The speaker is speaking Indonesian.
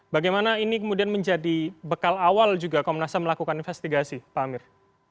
bagaimana ini kemudian menjadi bekal awal juga komnas ham melakukan investigasi pak amir